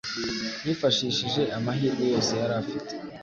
Yifashishije amahirwe yose yari afite.